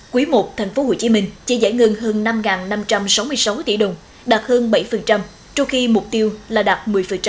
quý i tp hcm chỉ giải ngân hơn năm năm trăm sáu mươi sáu tỷ đồng đạt hơn bảy trôi khi mục tiêu là đạt một mươi